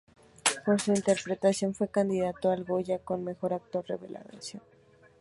Por su interpretación fue candidato al Goya como mejor actor revelación.